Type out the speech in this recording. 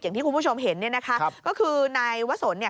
อย่างที่คุณผู้ชมเห็นเนี่ยนะคะก็คือนายวะสนเนี่ย